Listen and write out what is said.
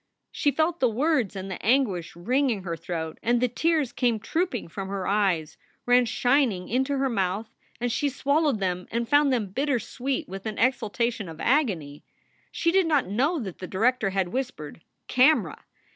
She felt the words and the anguish wringing her throat, and the tears came trooping from her eyes, ran shining into her mouth, and she swallowed them and found them bitter sweet with an exaltation of agony. She did not know that the director had whispered, "Camera!"